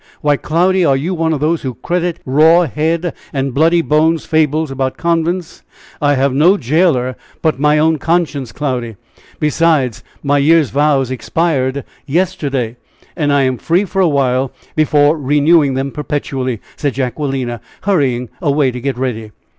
Why, Cloudy, are you one of those who credit 'raw head and bloody bones' fables about convents? I have no jailer but my own conscience, Cloudy. Besides, my year's vows expired yesterday, and I am free for awhile, before renewing them perpetually," said Jacquelina, hurrying away to get ready.